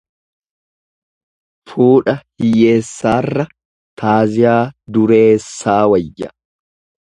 Fuudha hiyyeessaarra taaziyaa dureessaa wayya.